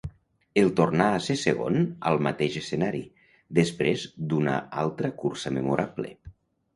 El tornà a ser segon al mateix escenari, després d'una altra cursa memorable.